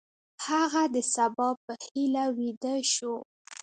هغه د سبا په هیله ویده شو.